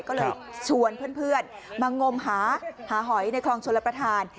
ก็เลยชวนเพื่อนมางมหาหาหอยในคลองชลประธาน